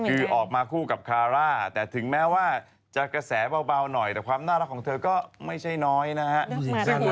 คือออกมาคู่กับคาร่าแต่ถึงแม้ว่าจะกระแสเบาหน่อยแต่ความน่ารักของเธอก็ไม่ใช่น้อยนะฮะ